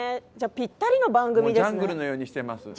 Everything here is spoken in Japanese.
ぴったりの番組でしたね。